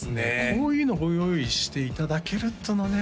こういうのをご用意していただけるってのはね